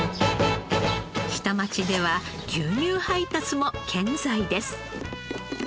下町では牛乳配達も健在です。